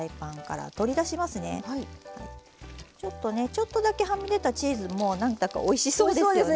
ちょっとだけはみ出たチーズも何だかおいしそうですよね。